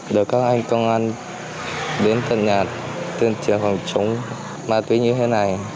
để các anh công an đến thân nhà tuyên truyền phòng chống ma túy như thế này